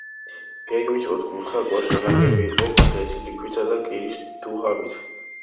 გეგმით ოთხკუთხა კოშკი ნაგები იყო ფლეთილი ქვითა და კირის დუღაბით.